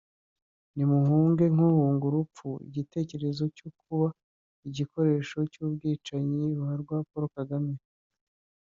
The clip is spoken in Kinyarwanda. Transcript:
nimuhunge nk’uhunga urupfu igitekerezo cyo kuba igikoresho cy’umwicanyi ruharwa Paul Kagame